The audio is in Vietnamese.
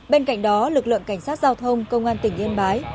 bên cạnh đó lực lượng cảnh sát giao thông công an tỉnh yên bái